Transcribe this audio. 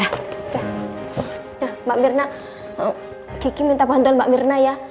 ya mbak mirna gigi minta bantuan mbak mirna ya